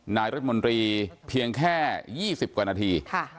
นายรัฐมนตรีเพียงแค่๒๐กว่านาที